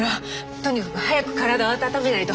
とにかく早く体を温めないと。